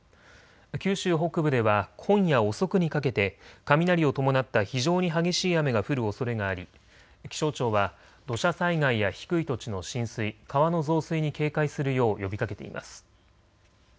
九州北部では今夜遅くにかけて雷を伴った非常に激しい雨が降るおそれがあり気象庁は土砂災害や低い土地の浸水、川の増水に警戒するよう呼びかけています。